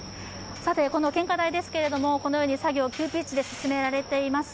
この献花台ですけれども、このように作業が急ピッチで進められています。